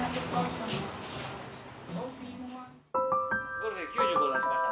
ゴルフで９５出しました。